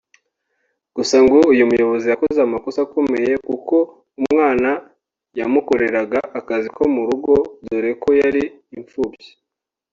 Gusa ngo uyu muyobozi yakoze amakosa akomeye kuko umwana yamukoreraga akazi ko mu rugo dore ko yari impfubyi